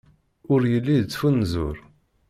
Ur yelli yettfunzur.